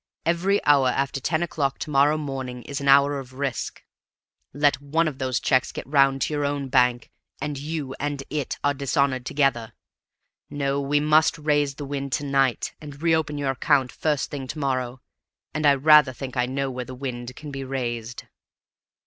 Every hour after ten o'clock to morrow morning is an hour of risk. Let one of those checks get round to your own bank, and you and it are dishonored together. No, we must raise the wind to night and re open your account first thing to morrow. And I rather think I know where the wind can be raised."